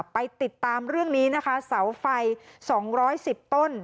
ไปติดตามเรื่องนี้นะคะเสาไฟ๒๑๐ต้น